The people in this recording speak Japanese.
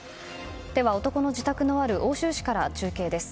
では男の自宅のある奥州市から中継です。